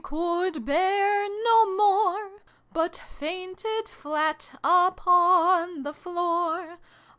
could bear no more, But fainted flat upon the floor.